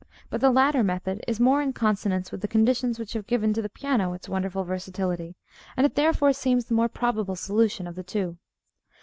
But the latter method is more in consonance with the conditions which have given to the piano its wonderful versatility, and it therefore seems the more probable solution of the two.